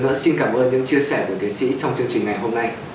một lần nữa xin cảm ơn những chia sẻ của thế sĩ trong chương trình này hôm nay